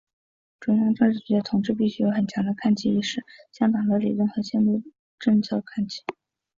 中央政治局的同志必须有很强的看齐意识，经常、主动向党中央看齐，向党的理论和路线方针政策看齐。